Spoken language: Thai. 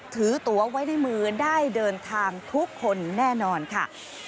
ถือตัวไว้ในมือได้เดินทางทุกคนแน่นอนค่ะ